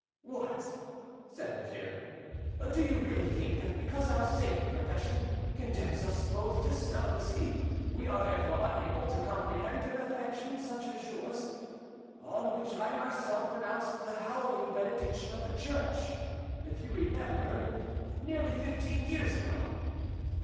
"What!" said the cure, "do you really think that because our sacred profession condemns us both to celibacy, we are therefore unable to comprehend an affection such as yours, on which I myself pronounced the hallowing benediction of the Church—if you remember—nearly fifteen years ago?"